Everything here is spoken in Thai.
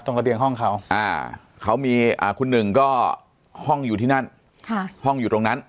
ระเบียงห้องเขาเขามีคุณหนึ่งก็ห้องอยู่ที่นั่นห้องอยู่ตรงนั้น